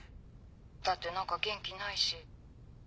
だって何か元気ないし。